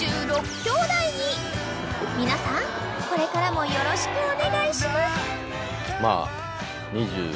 ［皆さんこれからもよろしくお願いします］